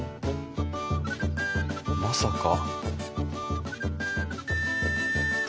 まさか。